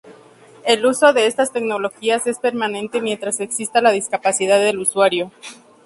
El uso de estas tecnologías es permanente mientras exista la discapacidad del usuario.